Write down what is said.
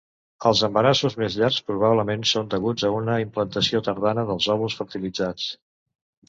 Els embarassos més llargs probablement són deguts a una implantació tardana dels òvuls fertilitzats.